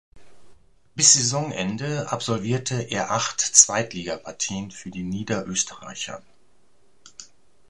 Bis Saisonende absolvierte er acht Zweitligapartien für die Niederösterreicher.